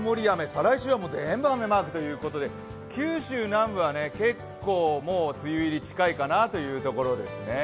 再来週は全部雨ということで九州南部は結構、もう梅雨入り近いかなというところですね。